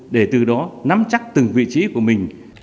để từ đó nắm chắc từng vị trí của mình